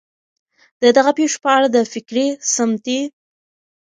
د دغه پېښو په اړه د فکري ، سمتي